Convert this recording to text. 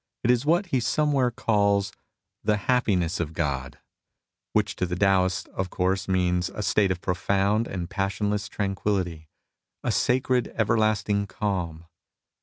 It is what he somewhere calls '^ the happiness of God," — ^which to the Taoist of course means a state of profound and passionless tranquillity, a " sacred everlasting calm."